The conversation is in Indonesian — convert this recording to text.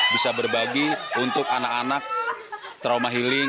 bisa berbagi untuk anak anak trauma healing